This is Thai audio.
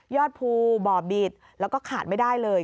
ภูบ่อบิดแล้วก็ขาดไม่ได้เลย